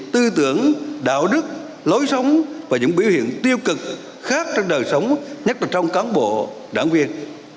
tư tưởng đạo đức lối sống và những biểu hiện tiêu cực khác trong đời sống nhất là trong cán bộ đảng viên